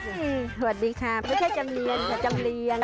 สวัสดีค่ะไม่ใช่จำเรียนค่ะจำเรียน